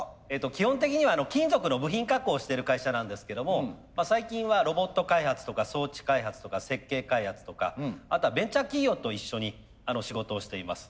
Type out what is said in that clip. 基本的には金属の部品加工をしてる会社なんですけども最近はロボット開発とか装置開発とか設計開発とかあとはベンチャー企業と一緒に仕事をしています。